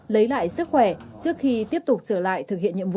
lấy lại sức khỏe trước khi tiếp tục trở lại thực hiện nhiệm vụ